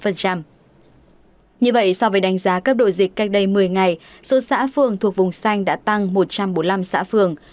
như vậy so với đánh giá cấp đội dịch cách đây một mươi ngày số xã phường thuộc vùng xanh đã tăng một trăm bốn mươi năm xã phường